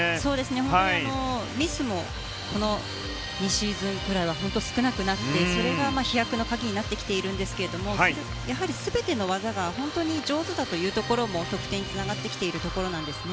本当にミスもこの２シーズンくらいは本当に少なくなってそれが飛躍の鍵になってきているんですがやはり全ての技が本当に上手だというところも得点につながってきているところなんですね。